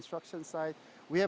di bagian peningkatan